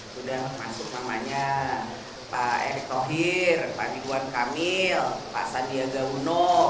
sudah masuk namanya pak erick thohir pak ridwan kamil pak sandiaga uno